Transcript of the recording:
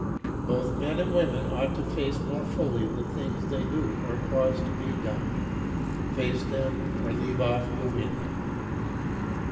Both men and women ought to face more fully the things they do or cause to be done; face them or leave off doing them.